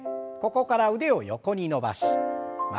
ここから腕を横に伸ばし曲げて。